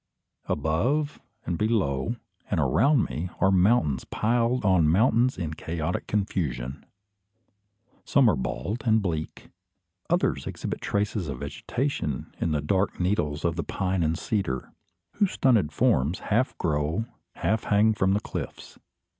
Above, and below, and around me, are mountains piled on mountains in chaotic confusion. Some are bald and bleak; others exhibit traces of vegetation in the dark needles of the pine and cedar, whose stunted forms half grow, half hang from the cliffs.